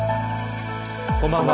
こんばんは。